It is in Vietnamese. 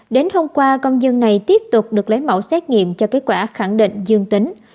đến hôm qua công dân này tiếp tục được lấy mẫu xét nghiệm cho kết quả khẳng định dương tính